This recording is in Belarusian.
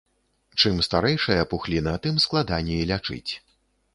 Чым старэйшая пухліна, тым складаней лячыць.